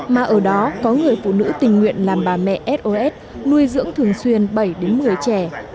mà ở đó có người phụ nữ tình nguyện làm bà mẹ sos nuôi dưỡng thường xuyên bảy một mươi trẻ